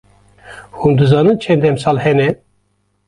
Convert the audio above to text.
Hûn dizanin çend demsal hene?